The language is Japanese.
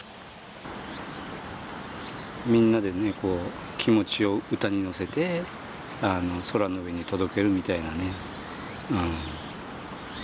みんなでね気持ちを歌にのせて空の上に届けるみたいなね。